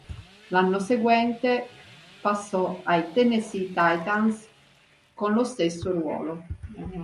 L'anno seguente passò ai Tennessee Titans con lo stesso ruolo.